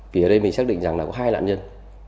vì ở đây mình xác định rằng là có hai lạn nhân